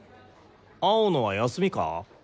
青野は休みか？